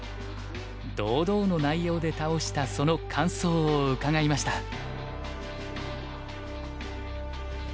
堂々の内容で倒したその感想を伺いました。